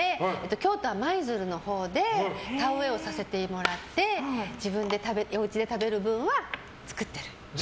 京都の舞鶴のほうで田植えをさせてもらって自分で食べる分は作ってる。